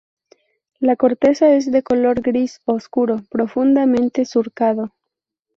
La corteza es de color gris oscuro, profundamente surcado.